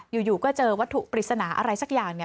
อยู่ก็เจอวัตถุปริศนาอะไรสักอย่างเนี่ย